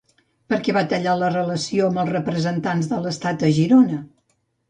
Per què va tallar la relació amb els representants de l'estat a Girona?